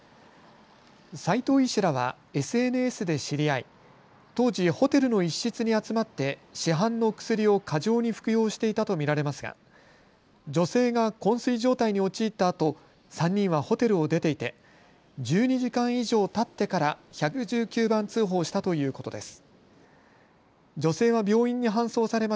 齋藤医師らはＳＮＳで知り合い当時、ホテルの一室に集まって市販の薬を過剰に服用していたと見られますが女性がこん酔状態に陥ったあと３人はホテルを出ていて１２時間以上たってから１１９番通報したということです。